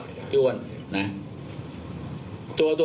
เขาไม่ได้ช่วยคนเจ็บนะครับ